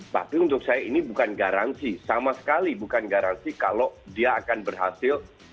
tapi untuk saya ini bukan garansi sama sekali bukan garansi kalau dia akan berhasil